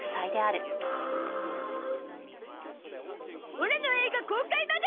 オラの映画公開まで。